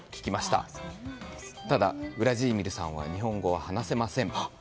ただ、ウラジーミルさんは日本語を話せません。